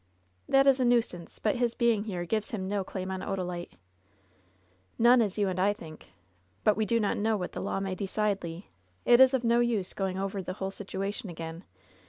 "That is a nuisance ; but his being here gives him no claim on Odalite." "None as you and I think. But we do not know what the law may decide, Le. It is of no use going over the whole situation again.